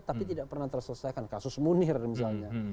tapi tidak pernah terselesaikan kasus munir misalnya